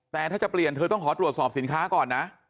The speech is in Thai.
แต่ถ้าจะเปลี่ยนเธอต้องขอตรวจสอบสินค้าก่อนนะ